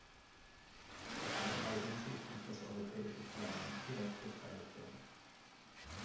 In beiderlei Hinsicht muss das Europäische Parlament direkt beteiligt werden.